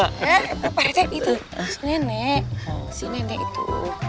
eh pak rete itu si nenek si nenek itu